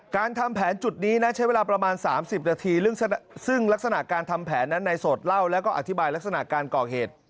การทำแผนจุดนี้นะใช้เวลาประมาณ๓๐นาทีซึ่งลักษณะการทำแผนนั้นในโสดเล่าแล้วก็อธิบายลักษณะการก่อเหตุ